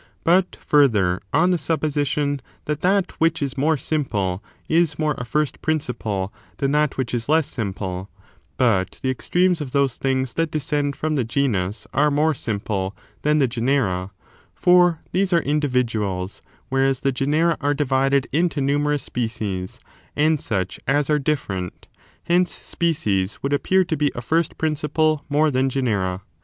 But, further, on the supposition that that which is more simple is more a first principle than that which is less simple, but the extremes of those things that descend from the genus are more simple than the genera, — for these are individuals, whereas the genera are divided into numerous ^ Vide book II. chap. ilL, and book XII. chap. x. OH. II.] ANYTHING SEPARABLE FROM SINGULARS? 281 species and such as are different, — hence species would ap pear to be a first principle more than genera.